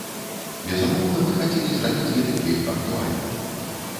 Безумоўна, мы хацелі зрабіць гэты кліп актуальным.